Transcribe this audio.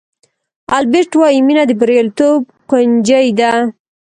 البرټ وایي مینه د بریالیتوب کونجي ده.